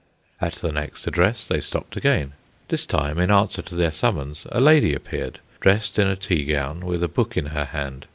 At the next address they stopped again. This time, in answer to their summons, a lady appeared, dressed in a tea gown, with a book in her hand.